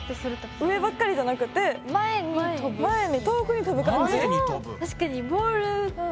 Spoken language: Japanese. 上ばっかりじゃなくて前に遠くにとぶ感じ。